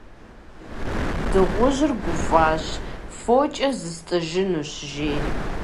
Дыгъужьыр гуфӏащ: «Фокӏэ зыстӏыжынущ! - жери.